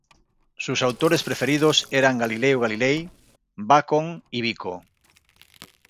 Sus autores preferidos eran Galileo Galilei, Bacon y Vico.